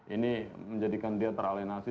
ini menjadikan dia teralienasi